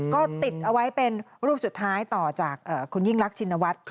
ก็ติดเอาไว้เป็นรูปสุดท้ายต่อจากคุณยิ่งรักชินวัฒน์